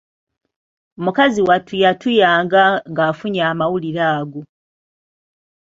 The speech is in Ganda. Mukazi wattu yatuuyanga ng’afunye amawulire ago.